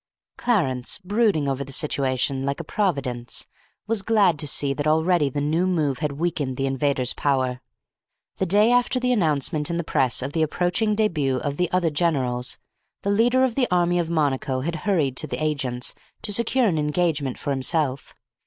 Clarence, brooding over the situation like a Providence, was glad to see that already the new move had weakened the invaders' power. The day after the announcement in the press of the approaching debut of the other generals, the leader of the army of Monaco had hurried to the agents to secure an engagement for himself.